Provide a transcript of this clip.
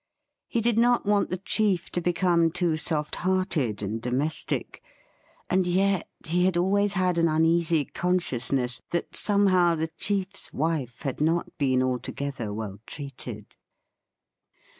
He did not want the chief to become too soft hearted and domestic, and yet he had always had an uneasy conscious ness that somehow the chiefs wife had not been altogether well treated.